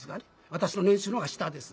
私の年収の方が下です。